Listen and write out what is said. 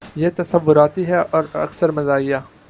یہ تصوراتی ہے اور اکثر مزاحیہ